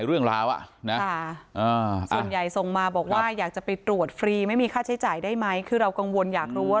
เรื่องราวส่วนใหญ่ส่งมาบอกว่าอยากจะไปตรวจฟรีไม่มีค่าใช้จ่ายได้ไหมคือเรากังวลอยากรู้ว่า